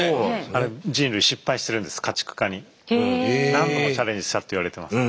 何度もチャレンジしたっていわれてます。